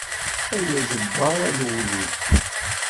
Ay ajebbar a lewli.